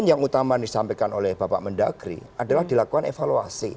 dan yang utama disampaikan oleh bapak mendagri adalah dilakukan evaluasi